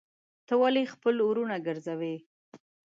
ته ولي خپل وروڼه ګرځوې.